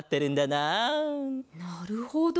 なるほど。